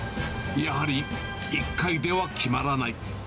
やはり、１回では決まらない。